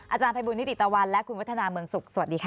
อาจารย์ภัยบุญนิติตะวันและคุณวัฒนาเมืองสุขสวัสดีค่ะ